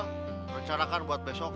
rencanakan buat besok